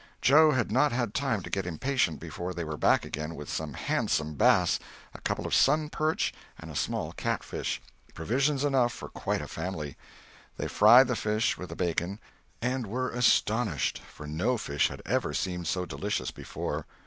Joe had not had time to get impatient before they were back again with some handsome bass, a couple of sun perch and a small catfish—provisions enough for quite a family. They fried the fish with the bacon, and were astonished; for no fish had ever seemed so delicious before.